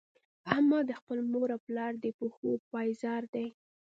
احمد د خپل مور او پلار د پښو پایزار دی.